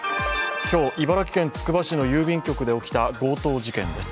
今日、茨城県つくば市の郵便局で起きた強盗事件です。